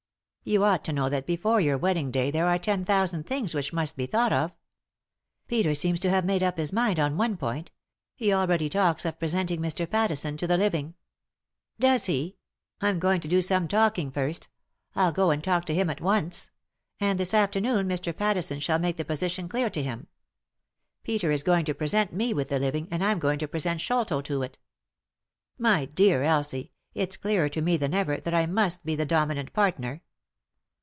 You ought to know that before your wedding day there are ten thousand things which must be thought of" "Peter seems to have made up his mind on one point ; he already talks of presenting Mr. Pattison to the living." " Does he ? I'm going to do some talking first I'll go and talk to him at once. And this afternoon Mr. Pattison shall make the position clear to him. Peter is going to present me with the living, and I'm going to present Sholto to it. My dear Elsie, it's clearer to me than ever that I must be the dominant partner.